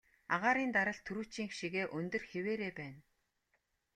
Агаарын даралт түрүүчийнх шигээ өндөр хэвээрээ байна.